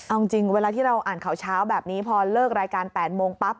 เอาจริงเวลาที่เราอ่านข่าวเช้าแบบนี้พอเลิกรายการ๘โมงปั๊บ